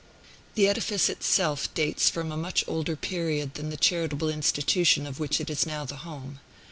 The edifice itself dates from a much older period than the charitable institution of which it is now the home.